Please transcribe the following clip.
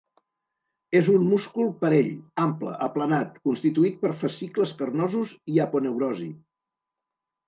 És un múscul parell, ample, aplanat, constituït per fascicles carnosos i aponeurosi.